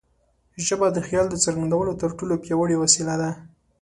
ژبه د خیال د څرګندولو تر ټولو پیاوړې وسیله ده.